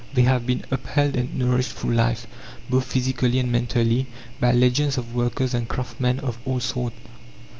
They have been upheld and nourished through life, both physically and mentally, by legions of workers and craftsmen of all sorts.